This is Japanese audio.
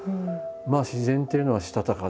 自然というのはしたたかでね。